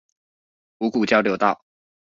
五股交流道